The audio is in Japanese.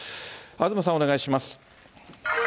東さん、お願いします。